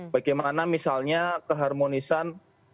bagaimana misalnya keharmonisan